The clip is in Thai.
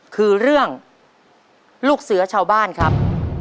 คือเรื่องลูกเสือชาวบ้านครับ